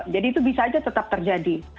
jadi itu bisa aja tetap terjadi